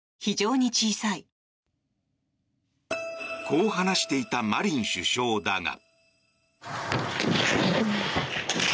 こう話していたマリン首相だが。